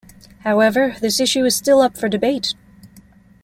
However, this issue is still up for debate.